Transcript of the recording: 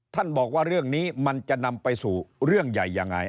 บอกว่าเรื่องนี้มันจะนำไปสู่เรื่องใหญ่ยังไง